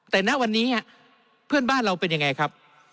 แต่ณวันนี้เพื่อนบ้านเราเป็นยังไงครับ